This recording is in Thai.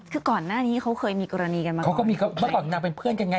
คือก่อนหน้านี้เขาเคยมีกรณีกันมาเขาก็มีเมื่อก่อนนางเป็นเพื่อนกันไง